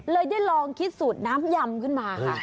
ได้ลองคิดสูตรน้ำยำขึ้นมาค่ะ